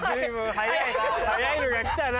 速いのが来たな。